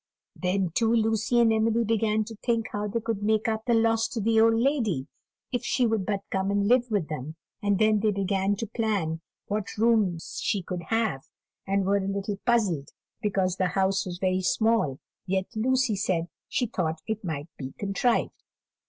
Then, too, Lucy and Emily began to think how they could make up the loss to the old lady, if she would but come and live with them; and then they began to plan what rooms she could have, and were a little puzzled because the house was very small; yet Lucy said she thought it might be contrived.